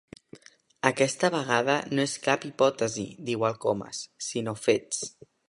Aquesta vegada no és cap hipòtesi —diu el Comas—, sinó fets.